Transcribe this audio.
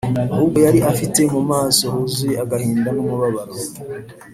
ahubwo yari afite mu maso huzuye agahinda n’umubabaro